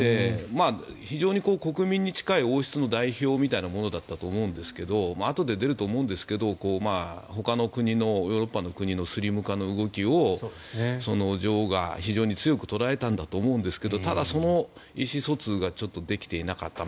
非常に国民に近い王室の代表みたいなものだったと思うんですがあとで出ると思うんですがほかの国、ヨーロッパの国のスリム化の動きを女王が非常に強く捉えたんだと思うんですけどただ、その意思疎通がちょっとできていなかった。